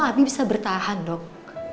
apa abi bisa bertahan dong